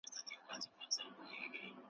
تا به یې په روڼو سترګو خیال تر لاس نیولی وي,